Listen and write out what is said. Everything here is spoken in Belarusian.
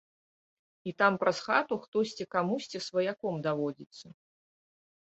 І там праз хату хтосьці камусьці сваяком даводзіцца.